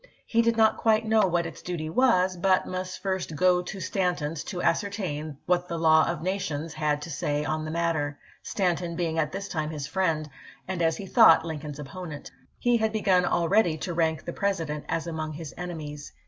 He did not quite know what its duty was — but must first "go to Stanton's to ascertain what the law of nations" had to say on the matter, Stanton being at this time his friend, and, as he thought, Lincoln's oppo nent. He had begun already to rank the President as among his enemies.